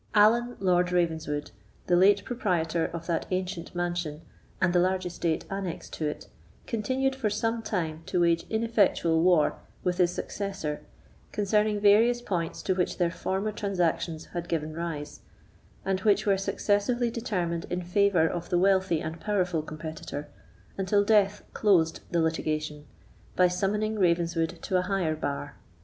Allan Lord Ravenswood, the late proprietor of that ancient mansion and the large estate annexed to it, continued for some time to wage ineffectual war with his successor concerning various points to which their former transactions had given rise, and which were successively determined in favour of the wealthy and powerful competitor, until death closed the litigation, by summoning Ravenswood to a higher bar.